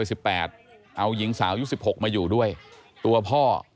ไอ้แม่ได้เอาแม่ได้เอาแม่